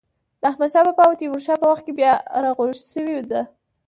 د احمد شا بابا او تیمور شاه په وخت کې بیا رغول شوې ده.